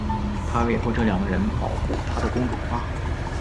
她委托这两个人保护她的公主花。